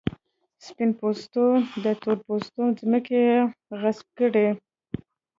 سپین پوستو د تور پوستو ځمکې غصب کړې.